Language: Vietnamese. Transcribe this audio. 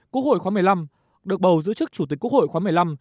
quốc hội khóa một mươi năm được bầu giữ chức chủ tịch quốc hội khóa một mươi năm